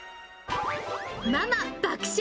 ママ爆笑！